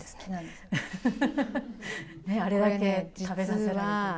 あれだけ食べさせられて。